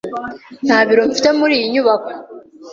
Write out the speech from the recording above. Nta biro mfite muri iyi nyubako.